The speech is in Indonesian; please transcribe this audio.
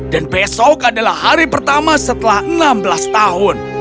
dan besok adalah hari pertama setelah enam belas tahun